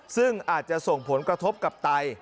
ซึ่งอาจจะส่งผลกระทบกับไต